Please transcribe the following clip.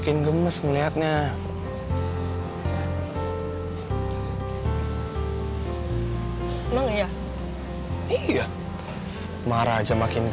biar sri gak dipecat mang